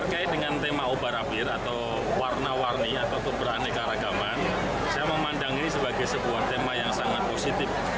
berkait dengan tema obar abir atau warna warni atau keberaneka ragaman saya memandang ini sebagai sebuah tema yang sangat positif